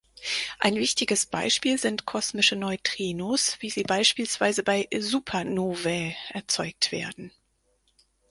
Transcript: Ein wichtiges Beispiel sind kosmische Neutrinos, wie sie beispielsweise bei Supernovae erzeugt werden.